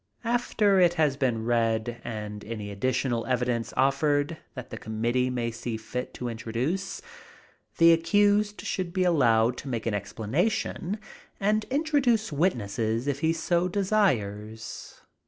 After it has been read and any additional evidence offered that the committee may see fit to introduce, the accused should be allowed to make an explanation and introduce witnesses if he so desires.